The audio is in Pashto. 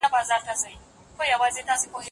آیا ته پوهېږې چې انټرنیټ څنګه معلومات خوندي کوي؟